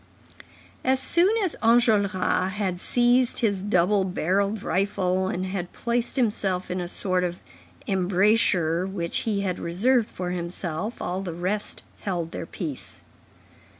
As soon as Enjolras had seized his double barrelled rifle, and had placed himself in a sort of embrasure which he had reserved for himself, all the rest held their peace.